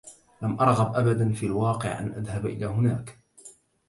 لم أرغب ابدا في الواقع أن أذهب إلى هناك.